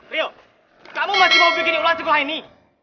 rio kamu masih mau bikin ulasin gua ini